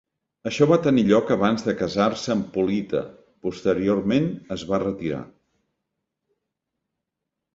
Això va tenir lloc abans de casar-se amb Polita; posteriorment es va retirar.